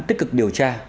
tích cực điều tra